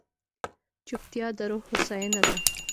چپتیا، د روح هوساینه ده.